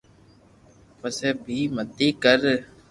پسي بي متي ڪر